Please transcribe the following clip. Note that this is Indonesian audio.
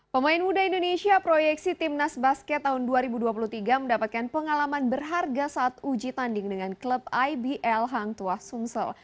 pemain muda indonesia proyeksi timnas basket tahun dua ribu dua puluh tiga mendapatkan pengalaman berharga saat uji tanding dengan klub ibl hang tua sumsel